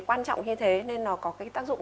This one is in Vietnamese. quan trọng như thế nên nó có cái tác dụng